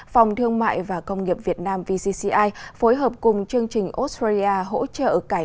phòng thương mại và công nghiệp việt nam vcci phối hợp cùng chương trình australia hỗ trợ cải